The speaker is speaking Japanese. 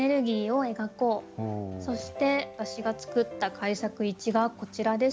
そして私が作った改作１がこちらです。